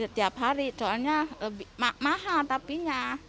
setiap hari soalnya lebih mahal tapinya